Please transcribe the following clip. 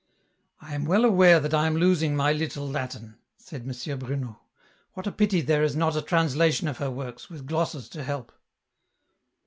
" I am well aware that I am losing my little Latin," said M. Bruno. " What a pity there is not a translation of her works, with glosses to help."